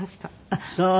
あっそう。